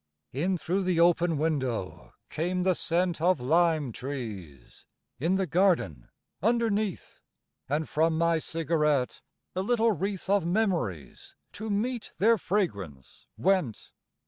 In thro' the open window came the scent Of lime trees, in the garden underneath, And from my cigarette a little wreath Of memories, to meet their fragrance went.